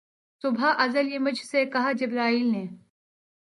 صبح ازل یہ مجھ سے کہا جبرئیل نے